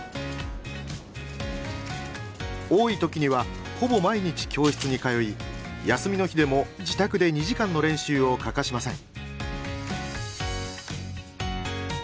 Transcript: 多い時にはほぼ毎日教室に通い休みの日でも自宅で２時間の練習を欠かしません。